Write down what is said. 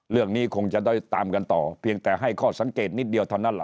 เรื่องนี้คงจะได้ตามกันต่อเพียงแต่ให้ข้อสังเกตนิดเดียวเท่านั้นแหละ